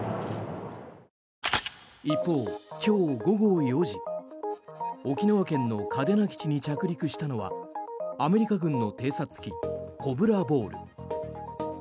一方、今日午後４時沖縄県の嘉手納基地に着陸したのはアメリカ軍の偵察機コブラボール。